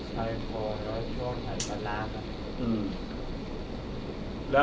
ใส่โทรศัพท์ช่วงไทยศาลาค่ะ